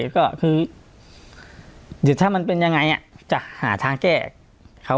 ก็คือเดี๋ยวถ้ามันเป็นยังไงจะหาทางแก้เขา